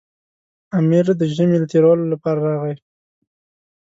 امیر د ژمي له تېرولو لپاره راغی.